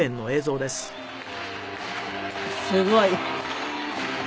すごい。